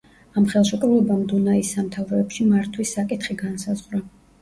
ამ ხელშეკრულებამ დუნაის სამთავროებში მართვის საკითხი განსაზღვრა.